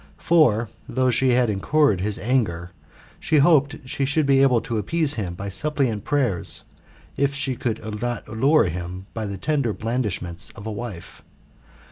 For, though she had incurred his anger, she hoped she should be able to appease him by suppliant prayers, if she could not allure him by the tender blandishments of a wife.